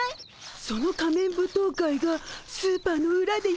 その仮面舞踏会がスーパーのうらで開かれる。